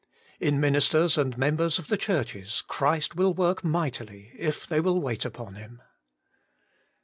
3. In ministers and members of the churches, Christ will work mightily if they will wait upon Him.